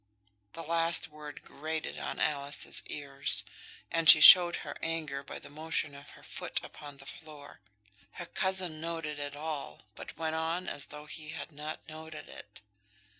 The last word grated on Alice's ears, and she showed her anger by the motion of her foot upon the floor. Her cousin noted it all, but went on as though he had not noted it.